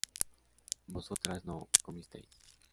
vosotras no comisteis